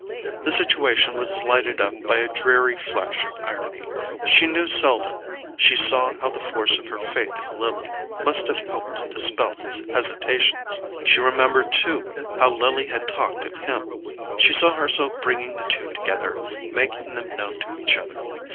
The situation was lighted up by a dreary flash of irony. She knew Selden—she saw how the force of her faith in Lily must have helped to dispel his hesitations. She remembered, too, how Lily had talked of him—she saw herself bringing the two together, making them known to each other.